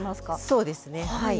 そうですねはい。